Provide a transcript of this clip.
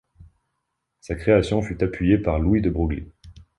Sa création fut appuyée par Louis de Broglie.